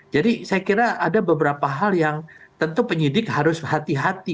jadi saya kira ada beberapa hal yang tentu penyidik harus hati hati